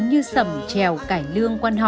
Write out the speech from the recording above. như sầm trèo cải lương quan họ bí dậm